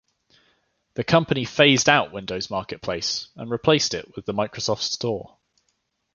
The company phased-out Windows Marketplace, and replaced it with the Microsoft Store.